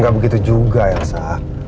gak begitu juga elsa